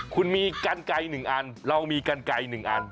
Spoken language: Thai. คุณมีกันไก่๑อันเรามีกันไก่๑อัน